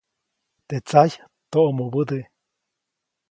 Teʼ tsajy toʼmubäde.